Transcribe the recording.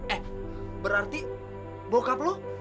eh berarti bokap lo